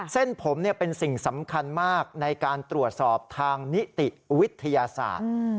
เส้นผมเป็นสิ่งสำคัญมากในการตรวจสอบทางนิติวิทยาศาสตร์